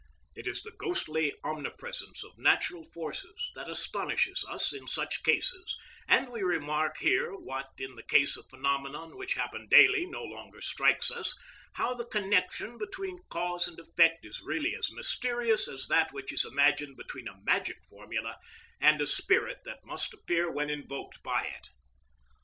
It is the ghostly omnipresence of natural forces that astonishes us in such cases, and we remark here what in the case of phenomena which happen daily no longer strikes us, how the connection between cause and effect is really as mysterious as that which is imagined between a magic formula and a spirit that must appear when invoked by it.